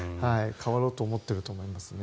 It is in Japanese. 変わろうと思っていると思います。